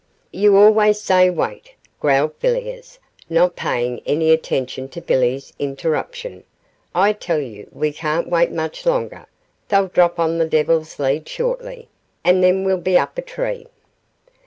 'You always say wait,' growled Villiers, not paying any attention to Billy's interruption; 'I tell you we can't wait much longer; they'll drop on the Devil's Lead shortly, and then we'll be up a tree.